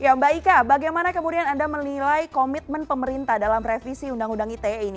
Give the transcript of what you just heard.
ya mbak ika bagaimana kemudian anda menilai komitmen pemerintah dalam revisi undang undang ite ini